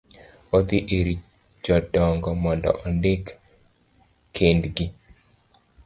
odhi ir jodongo mondo ondik kendgi.